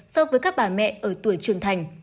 so với các bà mẹ ở tuổi trưởng thành